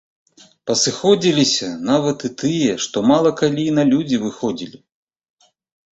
Пасыходзіліся нават і тыя, што мала калі і на людзі выходзілі.